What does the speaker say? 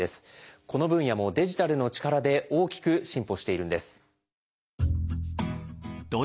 この分野もデジタルの力で大きく進歩しているんです。